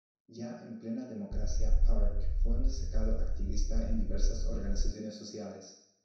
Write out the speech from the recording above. Ya en plena democracia, Park fue un destacado activista en diversas organizaciones sociales.